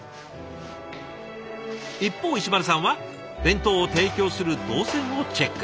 一方石丸さんは弁当を提供する動線をチェック。